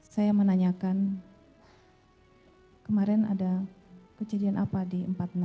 saya menanyakan kemarin ada kejadian apa di empat puluh enam